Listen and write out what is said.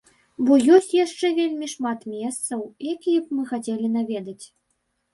Бо ёсць яшчэ вельмі шмат месцаў, якія б мы хацелі наведаць.